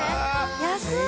安い！